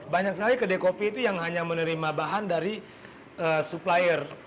banyak sekali kedai kopi itu yang hanya menerima bahan dari supplier